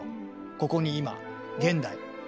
ここに今現代。